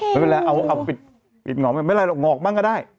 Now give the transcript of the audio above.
ไม่เป็นไรเอาปิดหงอกไม่เป็นไรหรอกงอกบ้างก็ได้